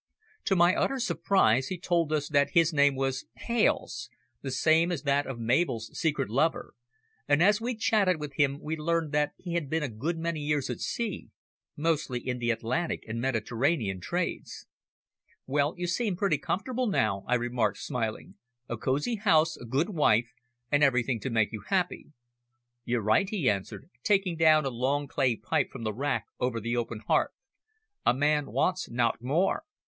To my utter surprise he told us that his name was Hales the same as that of Mabel's secret lover, and as we chatted with him we learned that he had been a good many years at sea, mostly in the Atlantic and Mediterranean trades. "Well, you seem pretty comfortable now," I remarked, smiling, "a cosy house, a good wife, and everything to make you happy." "You're right," he answered, taking down a long clay pipe from the rack over the open hearth. "A man wants nowt more.